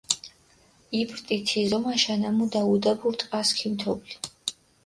იპრტი თი ზომაშა ნამუდა, უდაბურ ტყას ქიმთობლი.